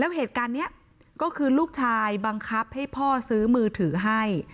เหตุการณ์นี้ก็คือลูกชายบังคับให้พ่อซื้อมือถือให้